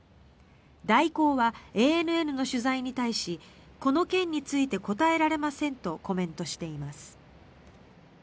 大光はＡＮＮの取材に対しこの件について答えられませんとコメントしています。